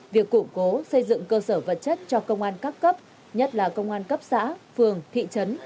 việc củng cố xây dựng cơ sở vật chất cho công an các cấp nhất là công an cấp xã phường thị trấn